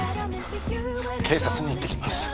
警察に行ってきます